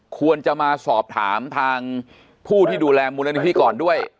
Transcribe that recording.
ควรจะมาสอบถามทางผู้ที่ดูแลมูลนิธิก่อนด้วย